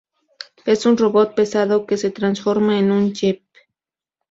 Es un robot pesado que se transforma en un Jeep.